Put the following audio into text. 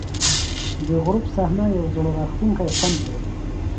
د غروب صحنه یو زړه راښکونکی خوند لري.